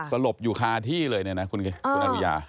สลบอยู่คาที่เลยนะคุณนัทพุญา